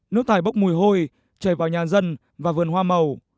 nước thải bốc mùi hôi chảy vào nhà dân và vườn hoa màu